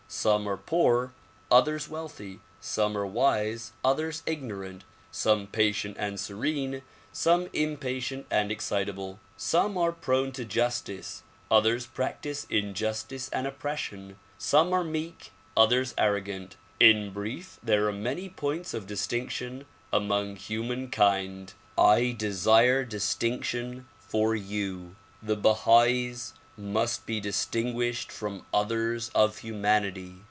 Some are poor, others wealthy; some are wise, others ignorant; some patient and serene, some impatient and excitable ; some are prone to justice, others practice injustice and oppression ; some are meek, others arrogant. In brief, there are many points of distinction among humankind. / desire distinction for you. The Bahais must be distinguished from others of humanity.